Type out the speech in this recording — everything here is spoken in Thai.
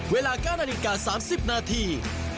เวลาก้านอนิกา๓๐นาที